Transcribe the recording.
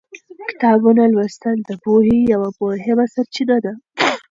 کتابونه لوستل د پوهې یوه مهمه سرچینه ده.